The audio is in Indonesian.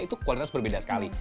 itu kualitas berbeda sekali